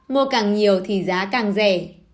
mua càng nhiều thì giá càng rẻ